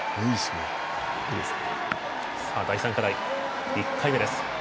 第３課題、１回目です。